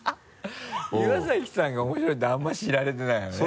岩崎さんが面白いってあんまり知られてないよね。